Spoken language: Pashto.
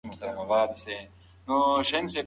خرما، ممیز او جوار د انرژۍ ښه سرچینې دي.